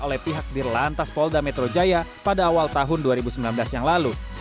oleh pihak dirlantas polda metro jaya pada awal tahun dua ribu sembilan belas yang lalu